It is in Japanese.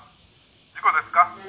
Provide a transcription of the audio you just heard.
事故ですか？」